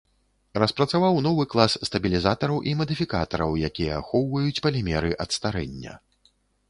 Распрацаваў новы клас стабілізатараў і мадыфікатараў, якія ахоўваюць палімеры ад старэння.